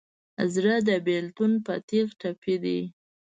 زړه د بېلتون په تیغ ټپي دی.